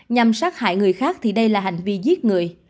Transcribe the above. nhằm sát hại người khác thì đây là hành vi giết người